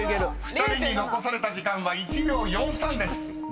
［２人に残された時間は１秒４３です］